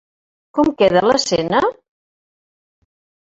Com queda l'escena?